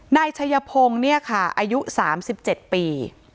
นายชัยพงศ์เนี่ยค่ะอายุ๓๗ปี